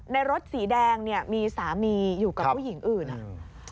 รถสีแดงเนี่ยมีสามีอยู่กับผู้หญิงอื่นอ่ะ